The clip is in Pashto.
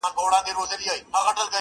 تا ول زه به یارته زولنې د کاکل واغوندم ،